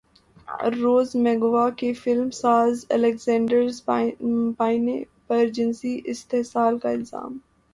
روز McGowan کا فلم ساز الیگزینڈر پائنے پرجنسی استحصال کا الزام